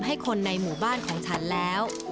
ให้คนในหมู่บ้านของฉันแล้ว